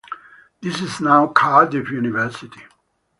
This is now Cardiff University.